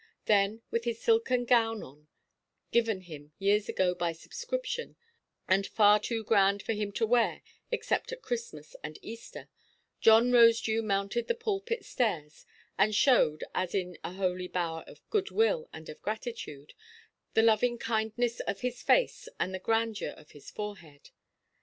Then, with his silken gown on—given him years ago by subscription, and far too grand for him to wear, except at Christmas and Easter—John Rosedew mounted the pulpit–stairs, and showed (as in a holy bower of good–will and of gratitude) the loving–kindness of his face and the grandeur of his forehead.